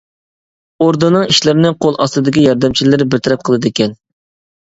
ئوردىنىڭ ئىشلىرىنى قول ئاستىدىكى ياردەمچىلىرى بىر تەرەپ قىلىدىكەن.